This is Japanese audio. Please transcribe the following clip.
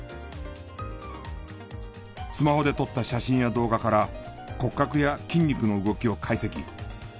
スマホで撮った写真や動画から骨格や筋肉の動きを解析。